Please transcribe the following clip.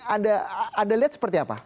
anda lihat seperti apa